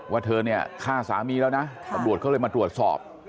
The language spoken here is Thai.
เธอเนี่ยฆ่าสามีแล้วนะตำรวจเขาเลยมาตรวจสอบ